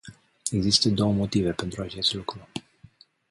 Există două motive pentru acest lucru.